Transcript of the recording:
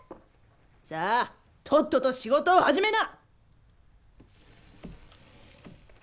さあとっとと仕事を始めな！